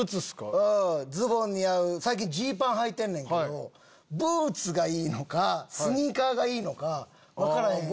うんズボンに合う最近ジーパンはいてんねんけどブーツがいいのかスニーカーがいいのか分からへんやん。